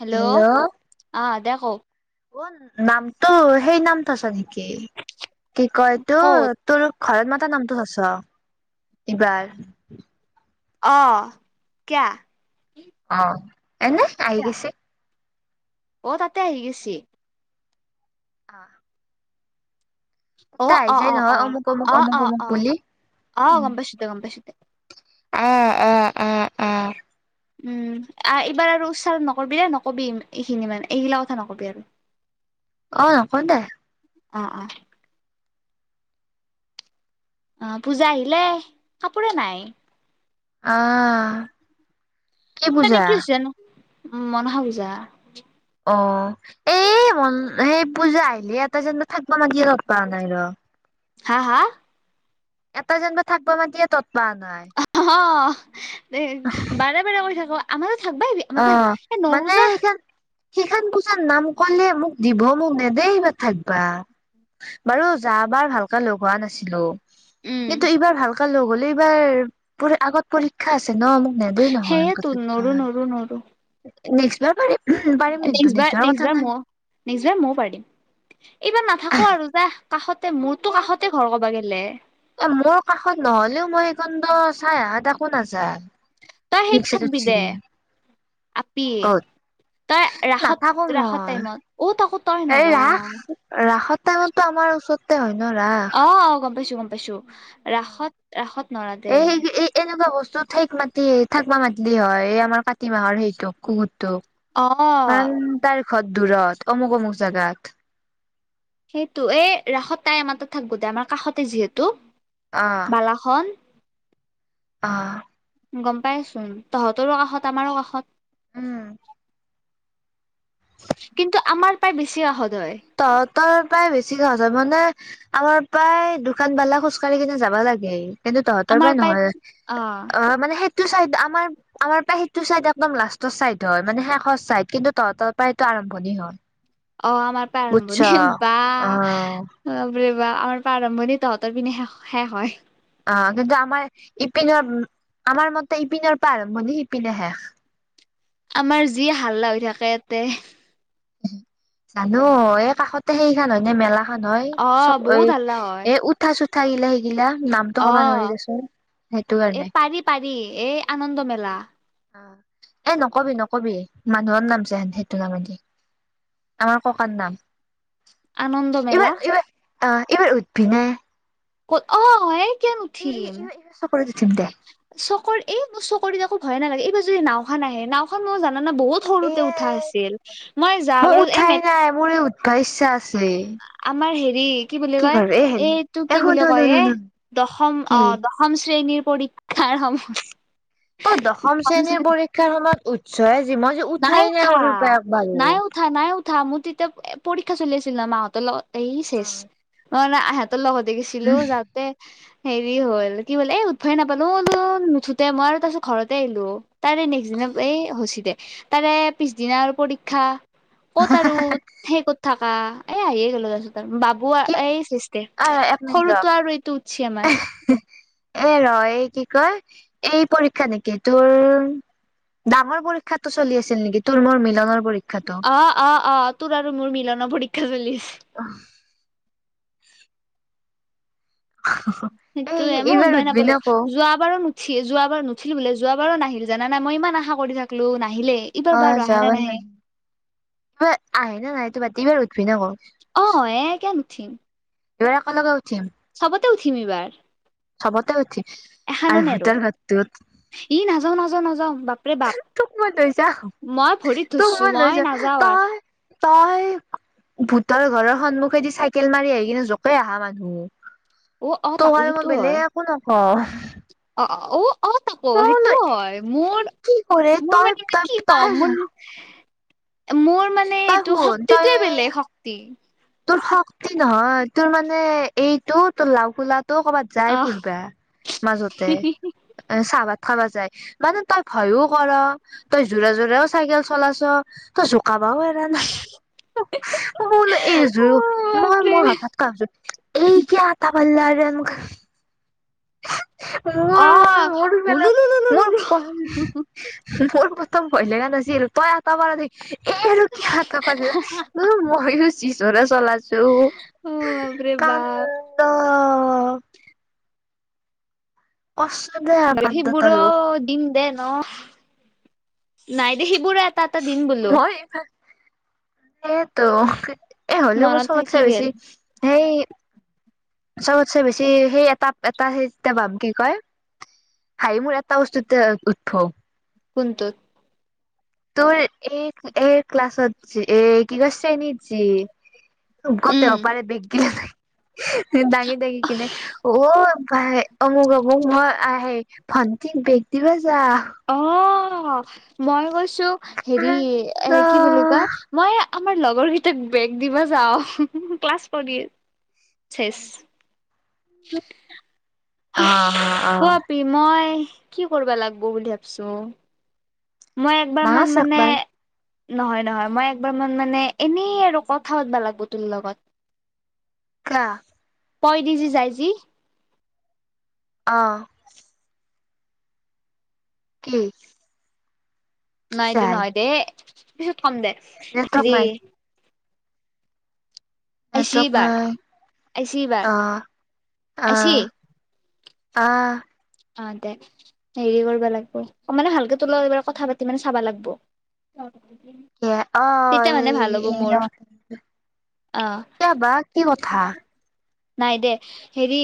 Hello, hello অ', দে কৌ। অ', নামটো সেই নামটো আছ নেকি কি কয়তো অঁ তোৰ ঘৰত মাতাৰ নামটো থচ এইবাৰ। অ', কিয়া? অ', এনে আহিছে। অ', তাতে আহি গৈছেি। অ'। অ', অ', অ', নহয় অ', অমুক অমুক অ', অমুক অ', অমুক অ', বুলি অ', গম পইচো দে গম পাইচো দে। অ', অ', অ', অ। উম এইবাৰ আৰু উচ্চাৰণ নকৰিবিে নকবি এইখিনি মানে এইগিলা কথা নকবি আৰু। [unintelligible] অ', নকো দে। অ', অ। অ', পূজা আহিলে কাপোৰে নাই। অ'। মোৰ মানে কি হৈছে জানো উম মনসা পূজা। অ। এই মন সেই পূজা আহিলে এটা যেন থাকিব মাগি লগ পোৱা নাই ৰ। হা? এটা যেনিব থাকিবা মাতিয়ে তৎপা নাই। এ বাৰে বাৰে কৰি থাকো আমাৰ থাকবা আহিবি আমাৰ থ এ নৰো জা। সিখনান পোচাত নাম কলে মোক দিব মোক নেদেই বাথাক যা বাৰু ভালকে লগ হোৱা নাছিলো উম কিন্তু এইবাৰ ভালক লগ হলে এইবাৰ প আগত পৰীক্ষা আছে ন মোক নেদেই নহয় সেয়েতো কথ নৰো পায় নৰো নৰো নেক্সটবাৰ পাৰিম পাৰিম নেক্সট নু বাৰ নেক্সটবাৰৰ নেক্সট কথা বাৰ নাই ময়ো নেক্সট বাৰ ময়ো পাৰিম এইবাৰ নাথাকো আৰু যা কাষতে মোৰতো সেইটো কাষতে ঘৰ কবা গেলে এ মোৰ কাষত নহলেও মই সখন চাই আহ এ ত কোন আছা [unintelligible] আপিয়ে তই নাথাকো ৰাসত ৰাসত মই টাইমত অ তাকো তই এই নৰা ৰাস ৰাসত টাইমতো আমাৰ ওচৰতে হয় ন ৰাস আহ আহ গম পাইছো গম পাইছো ৰাসত ৰাসত নৰা দে। টো ঠেক মাতি থাকিবা মাতিলি হয় এই আমাৰ কাতি মাহৰ সেইটো কত অ কাৰণ তাৰ খদ দুৰত অমুক অমুক জাগাত। সেইটো এই ৰাসত তাই আমাত থাক গো দে আমাৰ কাষতে যিহেতু বালাখন আহ গ'ম পাইচো তহঁতৰো কাষত আমাৰো কাষত উম। কিন্তু আমাৰ প্ৰাই বেছি আহত তহঁতৰ প্ৰায় বেছিকে [unintelligible] মানে আমাৰ প্ৰায় দোকানবালা খোজ কঢ়ি কিনে যাবা লাগে। কিন্তু তহঁতৰ আমাৰ পৰাই পাই নহল অ মানে সেই সটো চাই আমাৰ আমাৰ সেইটো চাইদ একদম লাষ্টৰ চাইদ হয় মানে শেষত ছাইদ কিন্তু তহতৰ পৰা সটো আৰম্ভণিৰ হয় অ' আমাৰ পৰা বুজছ আৰম্ভণি বা অ', বো বা আমাৰ আৰম্ভণি তহঁতৰ পিনে শেষ শেষ হয় অ কিন্তু আমাৰ ইপিনৰ আমাৰ মতে ইপিনৰ পাৰম্ বুলি সিপিনে শেষ আমাৰ যি হাল্লা হৈ থাকে ইয়াতে। জানো এই কাষতে সেইখন হয়নে মেলা নহয় অ' চব এ বহুত হাল্লা হয় এ উঠা চোঠা এইঘিলা সেইগিলা। নামটো কবা অ' নোৱাৰিলে আছো সেইটো এ কাৰণে পাৰি পাৰি এই আনন্দ মেলা অ এ নকবি নকবি মানুহৰ নাম যেন সেইটো নামতে আমাৰ ককাৰ নাম। আনন্দ এইবাৰ মেলা এইবাৰ অ এইবাৰ উঠবি নে ক'ত অ অ ক এই উঠিম এইবাৰ এইবাৰ চকৰিত উঠিম দে চকৰৰি এই মোৰ চকৰি দি একো ভয়ে নালাগে [unintelligible] [unintelligible] নানা বহুত এ সৰুতে উঠা আছিল মই যা বাৰু এই বাইছ চাছ আমাৰ হেৰি কি বুলি কয় কৰ এ হেৰি এইটো এ কি শুন বুলি শুন কয় শুন এ শুন দশম কি অ দশম শ্ৰেণীৰ পৰীক্ষাৰ সম অ দশম শ্ৰেণীৰ পৰীক্ষাৰ সময়ত উচ্চই মই যে উঠাই নাই সৰু পৰা একবাৰু নাই উঠা, নাই মোৰ তেতিয়া এ পৰীক্ষা চলি আছিল ন মাহঁত এই অ শেষ ন নে আহত ত লগতে গৈছিলো যাতে হেৰি হ'ল কি বোল এই উঠফাই নাপালো ওলো নুঠোতে মই আৰু তাৰপিছত ঘৰতে আহিলো তাৰে নেক্স দি এই শুচি দে তাৰে পিছদিনা আৰু পৰীক্ষা কত আৰু সেই ক'ত থাক এ আহিয়ে গল তা বাবু কি এই সৃষ্টে অ এক মিনিট ৰ সৰুটো আৰু এইটো উঠছি আমাৰ এ, ৰয় কি কয় এই পৰীক্ষা নেকি তোৰ ডাঙৰ পৰীক্ষাতটো চলি আছিল নেকি তোৰ মোৰ মিলনৰ পৰী অ', অ', অ', তোৰ আৰু মোৰ মিলনৰ পৰীক্ষা চলিছে আহ, এই সেইটোয়ে মই এইবাৰ উদভাই উঠবি নাপালো না আকৌ যোৱ বাৰো যোৱ বাৰ নুঠিলো বোলে যোৱাবাৰো নাহিল জান নাই মই ইমান আশা কৰি থাকিলো নাহিলে এইবাৰ বাৰু অ', আহে যাব নে নাহে নাই। আহে নে নাহেতো বাদ দে এবাৰ অ এে কিয়া নুঠিম এইবাৰ এক লগা উঠিম চবতে উঠিম এইবাৰ চবতে উঠিম এখান আৰু নেৰু ভূতৰ ঘৰটোত ই নাযাও নাযাও নাযাও বাপৰে বাপ ত মনছা মই ভৰিত তু ধৰছো মই মনছ নাযাও আৰ তই, তই ভূতৰ ঘৰৰ সন্মুখেদি চাইকেল মাৰি আহি কিনে জোকে আহা মানুহ অ অ তোৰ তাকো আৰু মই সেইটো হয় বেলেগে একো নক অ', অ',। অ', তাকৌ বোলো সেইটোও হয় এই মোৰ, কি কৰে মোৰ তই মানে তই কি তই কম ম মোৰ মানে তই এইটো শুন তই শক্তিটোৱে বেলেগ শক্তি। তোৰ শক্তি নহয় তোৰ মানে এইটো তোৰ লাওোলা ত কৰ'ৰবাত যাই আহ ফুুৰবা মাজতে এ চাহাত খাবা যায় মানে তই ভয়ো কৰ তই জোৰা জোৰেও চাইকেল চলাছ তই ক'ব এৰা নাই [inaudible] মই বোলো এই অ মই, বাপৰে মই হঠাৎ কছো এই কি আটা পাল্লানা মোৰ, অ মোৰ মোৰথম হুলুলুলুলুলু মোৰ প্ৰথম ভয় লগা নাছিল। [inaudible] চলাছো অ বাপৰে বাপ কান্দ কাণ্ড তাইও [inaudible] দিম দেন অ, ' নাই দে সি বোৰে এটা এটা দিন বোলো সেইটো এ, হ'লেও মোৰ মনত চবতাচে থাকি বেছি গেল সেই চবতছে বেছি সেই এটা এটা সেই ভাব কি কয় হাই মোৰ এটা বস্তুতে উঠ্ কোনটোত তোৰ এই এক ক্লাছত এই কি শ্ৰেণীত যে [inaudible] দাঙি, দাঙি কিনে অ', ভ অমুক, অমুক মই আহে ভটি বেগটিবা যা অ', মই কৈছো হেৰি কাণ্ড এ কি বুলি কয় মই আমাৰ লগৰকেইটাক বেগ দিবা যাওঁ ক্লাছ কৰি শে অ অ [unintelligible] অ খোৱাবি মই কি কৰিবা লাগিব বুলি ভাবিছোঁ মই একবাৰ নাচ মমান মানে একবাৰ নহয়, নহয় মই একবাৰ মান মানে এনেই আৰু কথা পাতাব লাগিব তোৰ লগত কা তই দি যি যাই যি। আহ, কি? নাইটো নহয় দে পিছত কম দে জপক হেৰি মাই আইছি নেটৱৰ্ক এইবাৰ আইছি এইবাৰ নাই অ আইছি আহ [inaudible] আহ অ' দে হেৰি কৰবা লাগব। অ' মানে ভালকে তোৰ ল এবাৰ কথা পাতি মানে চাবা লাগব। অ এ অ হ'ব এই ন মোৰ অ [inaudible] এতিয়াবা কি কথা নাই দে হেৰি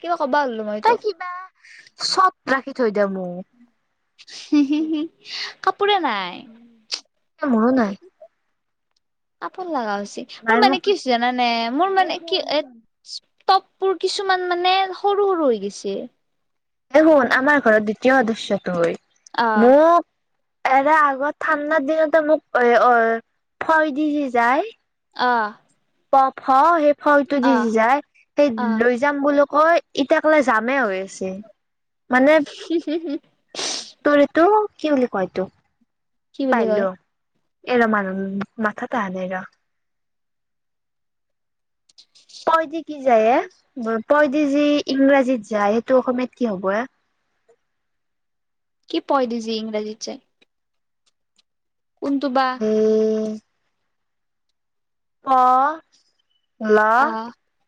কিবা কবা হ'লো মই টোক চব ৰাখি থৈ দি মোক কাপোৰে নাই এ মোৰো নাই, [inaudible] কাপোন লাগা হৈছিল, মোৰ মায়ে মোক মানে কি কৈছে হৈছি জানানে? মোৰ এ মানে কি শুন এ শুন, টপবোৰ কিছুমান মানে সৰু সৰু হৈ গৈছে [inaudible] দে শুন আমাৰ ঘৰত দ্বিতীয় সদস্য়টো হল আহ মোক এৰে আগত ঠাণ্ডাৰ দিনতে মোক এ অ ভয় দি যায় অ প ফ সেই ফটো দি যায় সেই আহ লৈ যাম বুলি কৈয় ইতিয়াক লৈ যামেই হৈ আছে [inaudible] [unintelligible] তোৰ তো কি বুলি কয়তো কি বুলি কয়? এৰা মান মথাটা হালেগা পই দি কি যায় এ পই দি যি ইংৰাজীত যায় সেইটো অসমীয়াত কি হব এ কি পয় দিজি ইংৰাজী যায় কোনটো বা এই প, ল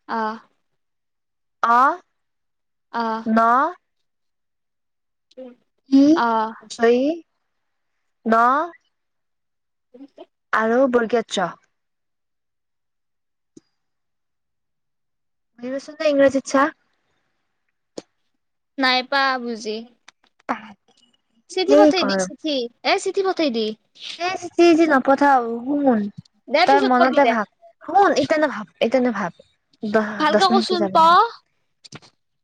অ অহ আহ ন কি আহ ই ন উ আৰু বৰ্গীয়া জ। বৰি বছধ ইংৰাজীত চা নাই পা বুজি চিঠি সেই পঠায় দি চিঠি এ চিঠি পঠায় দি এ চিঠি যি নপঠাও শুন দে তই পিছত কবি মনতে দে ভাব শুন ইতিয়া নাভাব এইকণে ভাব, দহ, দছ ভালকে মিনিটও কচোন যাব প দিয়া নাই।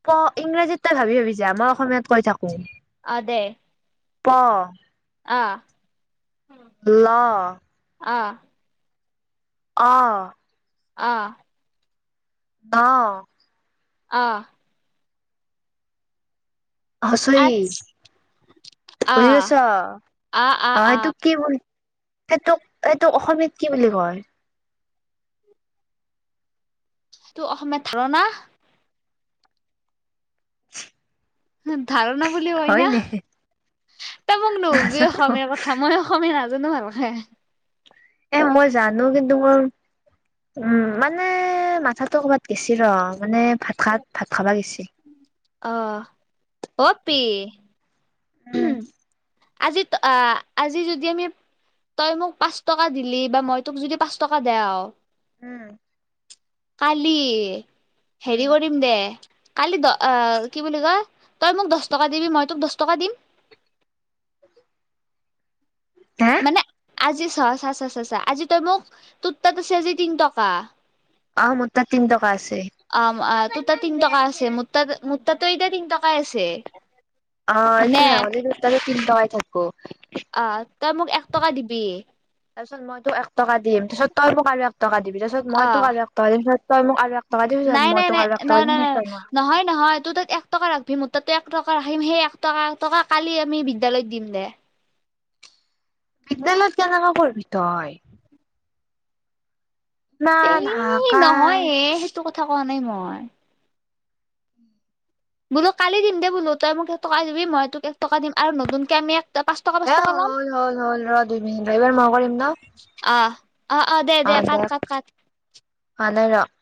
প ইংৰাজীত তই ভাবি ভাবিছা মই অসমীয়াত কৈ থাকো অ' দে। প আহ [inaudible] ল অ'। অ'। অ'। অহ অহ হচই, আচ আ বুজি পাইছ? আ আ অ' আ হেইটোক কি বুল সেইটোক, এইটোক অসমীয়াত কি বুলি কয়? তোৰ অসমীয়ত ধাৰনা [unintelligible] হম। ধাৰণা বুলি কই হয় না দে ত মোক নহলবি নাজানো অসমীয়াাৰ কথা মই অসমীয়া নাজো [inaudible] এ মই জানো কিন্তু মই উম, মানে মাথাটো ক'বাত গেছি ৰ মানে ভাত খাত ভাত খাবা গৈছি। অ অ পি উম। আজি আজি যদি আমি তই মোক পাঁচ টকা দিলি বা মই তোক যদি পাঁচ টকা দেও উম। কালি হেৰি উম কৰিম দে। কালি দ কি বুলি কয় তই মোক দহ টকা দিবি মই তোক দহ টকা দিম। হে মানে আজি চ চা চা আজি তই মোক তোৰ তাত আছে আজি তিন টকা। অ', মোৰ তাত তিনটকা আছে। অ', ম-ম তোৰ তাত তিন টকা আছে। মোৰ মাত মোৰ তাতো তিয়া তিন টকাই আছে। অ', [inaudible] হয়নে থাক অ তই মোক এক টকা দিবি তাৰপিছত মইতো এক টকা দিম তাৰ পিছত তই পক টকা দিবি তাৰপিছত অ মই তোক আৰু এক টকা দিম তাৰ পিছত তই মোক আৰু এক টকা দিবি মই তোক আৰু এক টকা দিম হয়, তোৰ তাত এক টকা ৰাখিববি মোঠতে এক টকা ৰাখিম সেই এক টকা টকা কালি আমি বিদ্যালয়ত দিম দে বিদ্যালয়ত কেনেকা কৰিবি তই? না না কাই টো কথা কোৱা নাই মই। বোলো কালি দিম দে বোলো তই মোক এক টকা দিবি মই তোক এক টকা দিম আৰু নতুনকে আমি পাঁচ টকা পাঁচ এ টকা ল'ম হ'ল হ'ল হ'ল ৰ' দুই মিনিট। এইবাৰ মই কৰিম ন? অ অ', অ', দে দে কাত কাত কাত। হোৱা নাই ৰহ।